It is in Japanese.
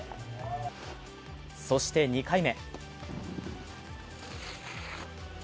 そして２回目。